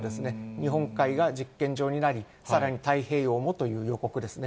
日本海が実験場になり、さらに太平洋もという予告ですね。